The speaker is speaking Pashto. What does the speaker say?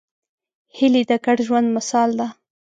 هیلۍ د ګډ ژوند مثال ده